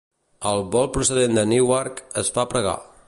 El vol procedent de Newark es fa pregar.